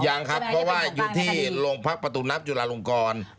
ยังครับเพราะว่าอยู่ที่โรงพักประตูนับจุลาลงกร